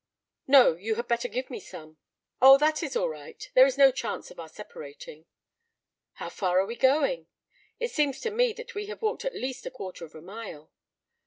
"No; you had better give me some." "Oh, that is all right. There is no chance of our separating." "How far are we going? It seems to me that we have walked at least a quarter of a mile."